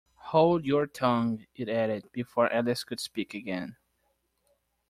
‘Hold your tongue!’ it added, before Alice could speak again.